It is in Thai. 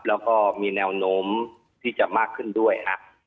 แล้วก็มีแนวโน้มที่จะมากขึ้นด้วยฮะ